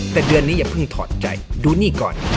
แต่เดือนนี้อย่าเพิ่งถอดใจดูนี่ก่อน